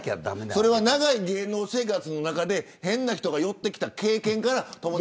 それは、長い芸能生活の中で変な人が寄ってきた経験から。